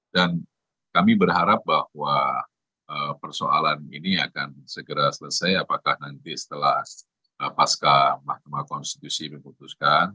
dan kami berharap bahwa persoalan ini akan segera selesai apakah nanti setelah pasca mahkamah konstitusi memutuskan